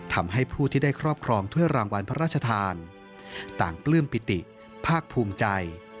ทำให้ผู้ที่ได้ครอบครองถ้วยรางวัลพระราชทานต่างปลื้มปิติภาคภูมิใจ